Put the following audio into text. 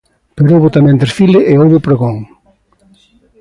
Pero houbo tamén desfile e houbo pregón.